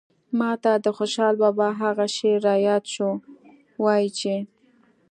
ماته د خوشال بابا هغه شعر راياد شو وايي چې